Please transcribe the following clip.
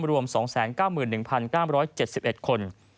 รวม๒๙๑๙๗๑คน